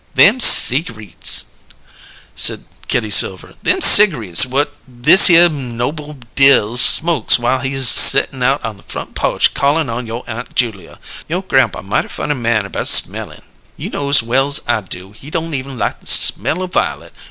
"Them cigareets," said Kitty Silver. "Them cigareets whut thishere Noble Dills smoke whiles he settin' out on the front po'che callin' on you' Aunt Julia. You' grampaw mighty funny man about smellin'! You know's well's I do he don't even like the smell o' violet.